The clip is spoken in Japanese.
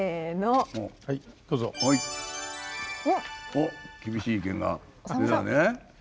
おっ厳しい意見が出たね。